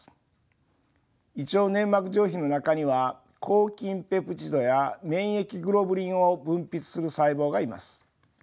胃腸粘膜上皮の中には抗菌ペプチドや免疫グロブリンを分泌する細胞がいます。